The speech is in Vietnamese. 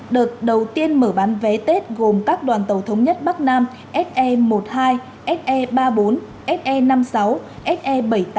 đợt đầu tiên mở bán vé tết gồm các đoàn tàu thống nhất bắc nam se một mươi hai se ba mươi bốn se năm mươi sáu se bảy trăm tám mươi tám